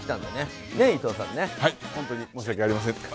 はい、本当に申し訳ありません。